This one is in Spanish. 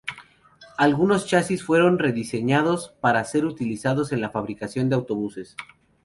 Algunos chasis fueron rediseñados para ser utilizados en la fabricación de autobuses.